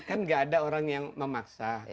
kan gak ada orang yang memaksa